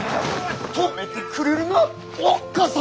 とめてくれるなおっかさん！